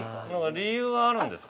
◆理由はあるんですか。